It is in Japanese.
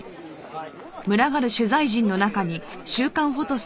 はい。